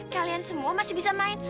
kalian semua masih bisa main